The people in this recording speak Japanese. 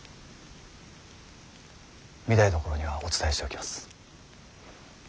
御台所にはお伝えしておきます。